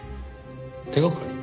手がかり？